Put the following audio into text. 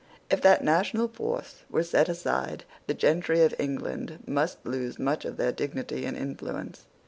If that national force were set aside, the gentry of England must lose much of their dignity and influence.